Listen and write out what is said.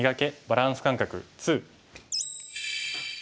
バランス感覚２」。